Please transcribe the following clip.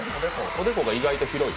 おでこが意外と広い。